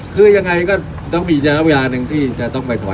คือยังไงก็ต้องมีแย้งบยาหนึ่งที่จะต้องไปถอยสัตว์น่ะ